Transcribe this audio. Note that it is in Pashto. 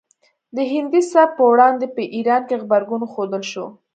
د هندي سبک په وړاندې په ایران کې غبرګون وښودل شو